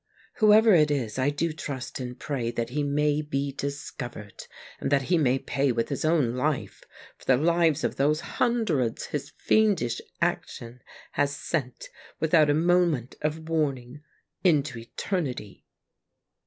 Whoever it is, I do trust and pray that he may be discovered, and that he may pay with his own life for the lives of those hundreds his fiendish action has sent, without a moment of warning, into etei'nity.